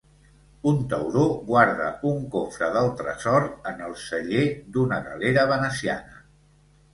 Un tauró guarda un cofre del tresor en el celler d'una galera veneciana.